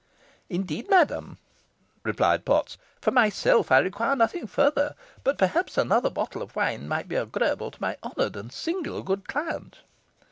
"Indeed, madam," replied Potts. "For myself I require nothing further; but perhaps another bottle of wine might be agreeable to my honoured and singular good client."